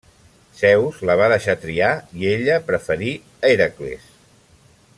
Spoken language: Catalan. Zeus la va deixar triar i ella preferí Hèracles.